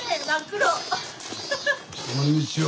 こんにちは。